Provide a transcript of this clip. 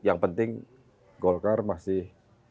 yang penting golkar masih